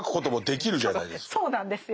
そうなんですよ。